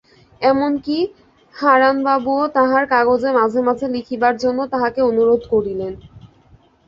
এমন-কি, হারানবাবুও তাঁহার কাগজে মাঝে মাঝে লিখিবার জন্য তাহাকে অনুরোধ করিলেন।